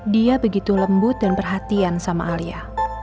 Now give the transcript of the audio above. dia begitu lembut dan perhatian sama alia